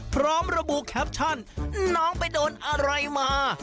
พร้อมระบุแคปชั่นน้องไปโดนอะไรมา